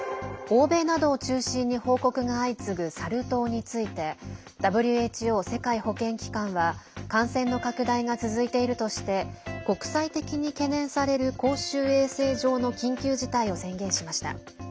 欧米などを中心に報告が相次ぐサル痘についてＷＨＯ＝世界保健機関は感染の拡大が続いているとして国際的に懸念される公衆衛生上の緊急事態を宣言しました。